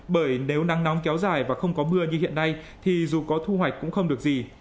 bởi nếu nắng nóng kéo dài và không có mưa như hiện nay thì dù có thu hoạch cũng không được gì